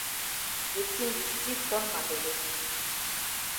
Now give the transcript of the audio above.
De tin di still ton ma bele.